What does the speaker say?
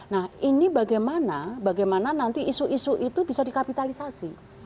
nah ini bagaimana bagaimana nanti isu isu itu bisa dikapitalisasi